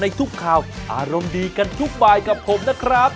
ทุกข่าวอารมณ์ดีกันทุกบายกับผมนะครับ